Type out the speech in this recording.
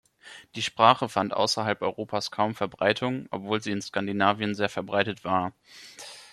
Die Sprache fand außerhalb Europas kaum Verbreitung, obwohl sie in Skandinavien sehr verbreitet war.